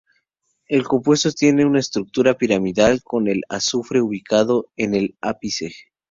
El compuesto tiene una estructura piramidal con el azufre ubicado en el ápice.